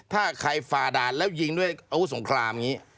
ถ้าใครฝ่าด่านแล้วยิงด้วยอาวุธสงครามอย่างนี้